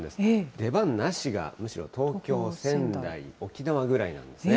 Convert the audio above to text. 出番なしがむしろ東京、仙台、沖縄ぐらいなんですね。